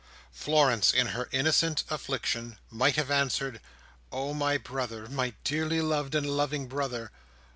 Florence, in her innocent affliction, might have answered, "Oh my brother, oh my dearly loved and loving brother!